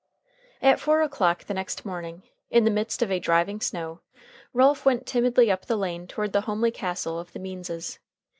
At four o'clock the next morning, in the midst of a driving snow, Ralph went timidly up the lane toward the homely castle of the Meanses.